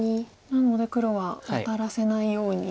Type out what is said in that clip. なので黒はワタらせないように。